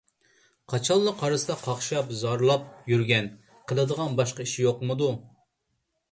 قاچانلا قارىسا قاقشاپ زارلاپ يۈرگەن. قىلىدىغانغا باشقا ئىش يوقمىدۇ؟